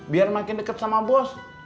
biar makin dekat sama bos